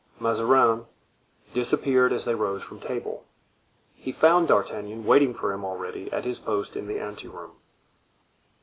Mazarin disappeared as they rose from table. He found D'Artagnan waiting for him already at his post in the ante room.